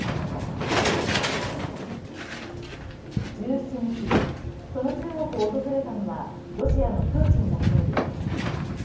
１７日、その中国を訪れたのはロシアのプーチン大統領。